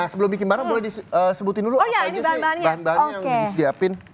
sebelum bikin barang boleh disebutin dulu apa aja sih bahan bahannya yang disiapin